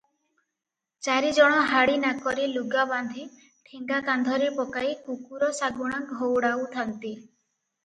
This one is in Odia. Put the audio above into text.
ଚାରିଜଣ ହାଡ଼ି ନାକରେ ଲୁଗା ବାନ୍ଧି ଠେଙ୍ଗା କାନ୍ଧରେ ପକାଇ କୁକୁର ଶାଗୁଣା ଘଉଡ଼ାଉଥାନ୍ତି ।